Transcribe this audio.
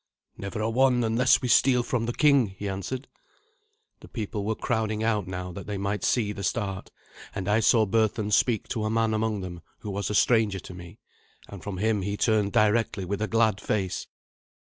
"Never a one, unless we steal from the king," he answered. The people were crowding out now that they might see the start, and I saw Berthun speak to a man among them who was a stranger to me. And from him he turned directly with a glad face.